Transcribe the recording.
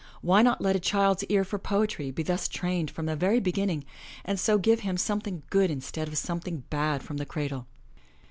Why not let a child's ear for poetry be thus trained from the very beginning and so give him something good instead of something bad from the cradle?